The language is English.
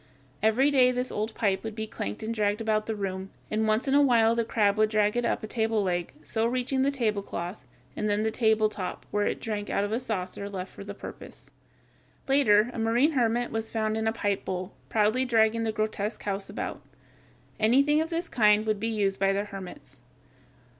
Every day this old pipe would be clanked and dragged about the room, and once in a while the crab would drag it up a table leg, so reaching the tablecloth and then the table top, where it drank out of a saucer left for the purpose. Later a marine hermit was found in a pipe bowl, proudly dragging the grotesque house about. Anything of this kind would be used by the hermits.